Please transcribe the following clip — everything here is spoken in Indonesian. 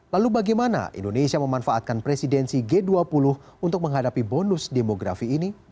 lalu bagaimana indonesia memanfaatkan presidensi g dua puluh untuk menghadapi bonus demografi ini